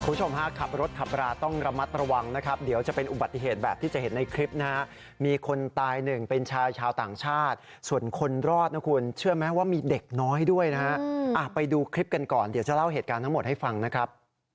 คุณผู้ชมฮะขับรถขับราต้องระมัดระวังนะครับเดี๋ยวจะเป็นอุบัติเหตุแบบที่จะเห็นในคลิปนะฮะมีคนตายหนึ่งเป็นชายชาวต่างชาติส่วนคนรอดนะคุณเชื่อไหมว่ามีเด็กน้อยด้วยนะฮะไปดูคลิปกันก่อนเดี๋ยวจะเล่าเหตุการณ์ทั้งหมดให้ฟังนะครับ